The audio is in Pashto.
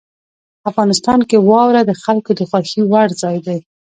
افغانستان کې واوره د خلکو د خوښې وړ ځای دی.